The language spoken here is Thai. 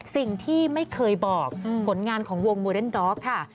สิ่งที่ไม่เคยบอกผลงานของวงโมเดนด็อกค่ะ